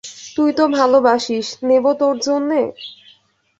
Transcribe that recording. তুই তো ভালোবাসিস, নেবো তোর জন্যে?